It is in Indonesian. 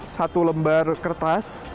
satu lembar kertas